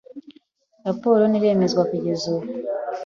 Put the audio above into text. Raporo ntiremezwa kugeza ubu.